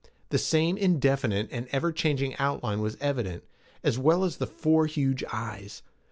The same indefinite and ever changing outline was evident, as well as the four huge eyes.